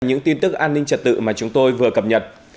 những tin tức an ninh trật tự mà chúng tôi vừa cập nhật